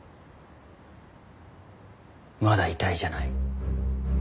まだ遺体じゃない。